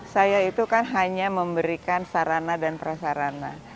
saya itu kan hanya memberikan sarana dan prasarana